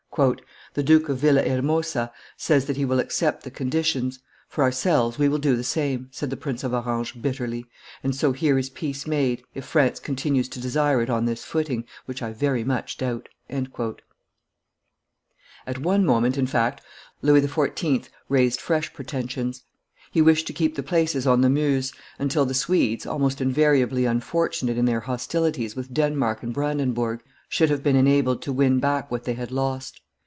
"The Duke of Villa Hermosa says that he will accept the conditions; for ourselves, we will do the same," said the Prince of Orange, bitterly, "and so here is peace made, if France continues to desire it on this footing, which I very much doubt." At one moment, in fact, Louis XIV. raised fresh pretensions. He wished to keep the places on the Meuse, until the Swedes, almost invariably unfortunate in their hostilities with Denmark and Brandenburg, should have been enabled to win back what they had lost.